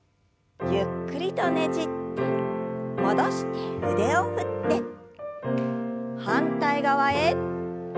ゆっくりとねじって戻して腕を振って反対側へ。